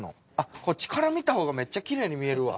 こっちから見たほうがめっちゃきれいに見えるわ。